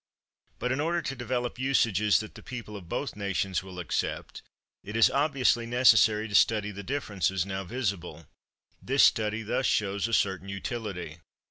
But in order to develop usages that the people of both nations will accept it is obviously necessary to study the differences now visible. This study thus shows a certain utility.